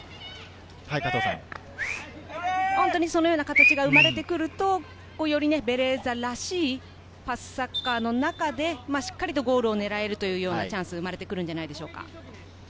そのような形が生まれてくると、よりベレーザらしい、サッカーの中でしっかりゴールを狙えるチャンスが生まれてくるのではないでしょうか。